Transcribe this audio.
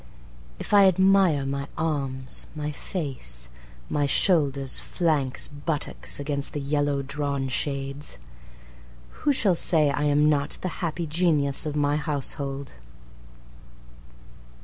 If I admire my arms, my face, my shoulders, flanks, buttocks against the yellow drawn shades, Who shall say I am not the happy genius of my household?